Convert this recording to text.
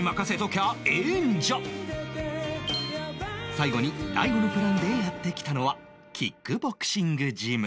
最後に大悟のプランでやって来たのはキックボクシングジム